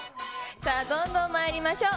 さあ、どんどんまいりましょう。